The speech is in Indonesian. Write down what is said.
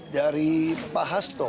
dari pak hasto